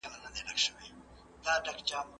په حضوري زده کړه کي د ټولګي ګډ کار مهم رول لري.